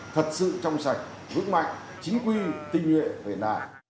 thật sự trong sạch vững mạnh chính quy tinh nguyện